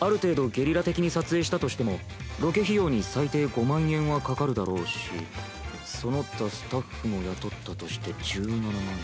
ある程度ゲリラ的に撮影したとしてもロケ費用に最低５万円はかかるだろうしその他スタッフも雇ったとして１７万円。